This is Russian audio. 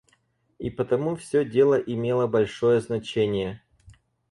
И потому всё дело имело большое значение.